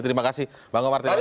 terima kasih bang om martin